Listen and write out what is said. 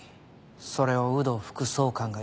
それを有働副総監が隠蔽した。